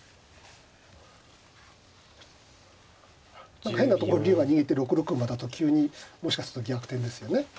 何か変なところに竜が逃げて６六馬だと急にもしかすると逆転ですよね。